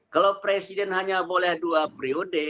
kalau presiden hanya boleh dua periode